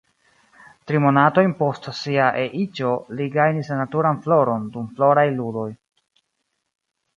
Tri monatojn post sia E-iĝo li gajnis la naturan floron dum Floraj Ludoj.